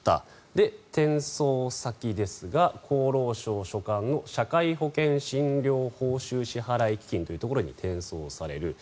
で、転送先ですが厚労省所管の社会保険診療報酬支払基金というところに転送される。